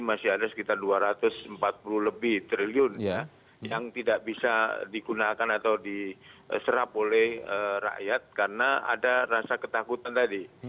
masih ada sekitar dua ratus empat puluh lebih triliun yang tidak bisa digunakan atau diserap oleh rakyat karena ada rasa ketakutan tadi